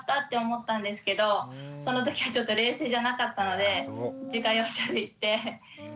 思ったんですけどその時はちょっと冷静じゃなかったので自家用車で行って。